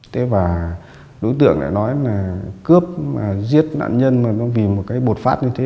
thế và đối tượng lại nói là cướp mà giết nạn nhân mà nó vì một cái bột phát như thế